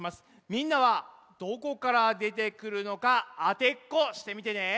みんなはどこからでてくるのかあてっこしてみてね。